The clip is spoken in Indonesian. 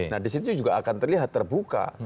nah disitu juga akan terlihat terbuka